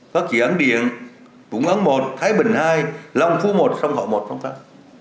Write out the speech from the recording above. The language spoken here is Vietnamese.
các dự án điện vũng ấn một thái bình hai long phú một sông hậu một không khác